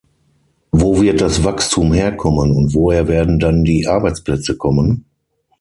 Wo wird das Wachstum herkommen und woher werden dann die Arbeitsplätze kommen?